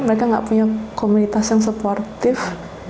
mereka tidak punya komunitas yang suportif